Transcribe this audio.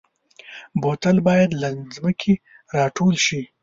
بوتل باید له ځمکې راټول شي.